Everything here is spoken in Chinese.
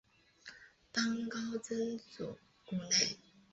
当高僧祖古内。